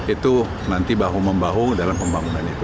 itu nanti bahu membahu dalam pembangunan itu